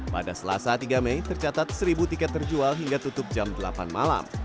pada selasa tiga mei tercatat seribu tiket terjual hingga tutup jam delapan malam